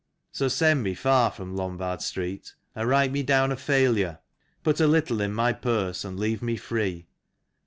So send me far from Lombard Street, and write me down a failure ; Put a little in my purse and leave me free.